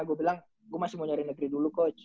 gue bilang gue masih mau nyari negeri dulu coach